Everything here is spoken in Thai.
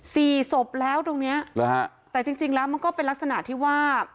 สี่ศพแล้วตรงนี้แต่จริงแล้วมันก็เป็นลักษณะที่ว่า